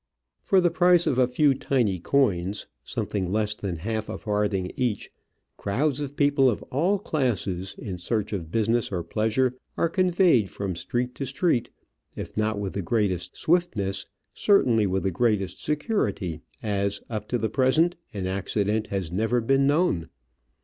For the price of a few tiny coins, something less than half a farthing each, crowds of people of all classes in search of business or pleasure are conveyed from street to street, if not with the greatest swiftness, cer tainly with the greatest security, as, up to the present, an accident has never been known.